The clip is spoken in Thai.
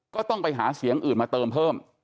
ก็ต้องไปหาเสียงอื่นมาเติมเพิ่ม